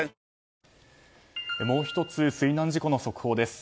もう１つ、水難事故の速報です。